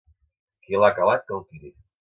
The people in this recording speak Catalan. Qui l'ha calat, que el tiri.